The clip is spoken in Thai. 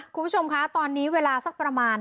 คุณผู้ชมคะตอนนี้เวลาสักประมาณ